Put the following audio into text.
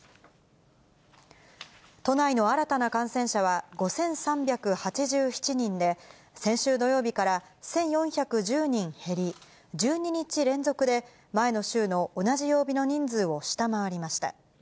都内の新たな感染者は５３８７人で、先週土曜日から１４１０人減り、１２日連続で前の週の同じ曜日の人数を下回りました。